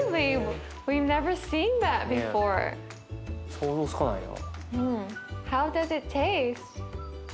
想像つかないな。